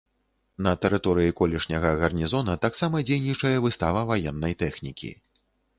На тэрыторыі колішняга гарнізона таксама дзейнічае выстава ваеннай тэхнікі.